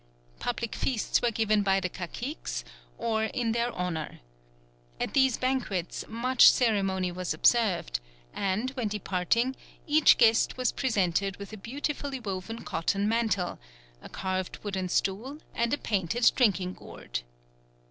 Public feasts were given by the caciques or in their honour. At these banquets much ceremony was observed, and, when departing, each guest was presented with a beautifully woven cotton mantle, a carved wooden stool, and a painted drinking gourd.